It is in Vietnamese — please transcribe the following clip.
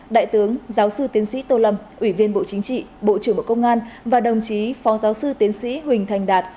đại tướng giáo sư tiến sĩ tô lâm ủy viên bộ chính trị bộ trưởng bộ công an và đồng chí phó giáo sư tiến sĩ huỳnh thành đạt